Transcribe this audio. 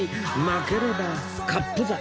負ければカップ酒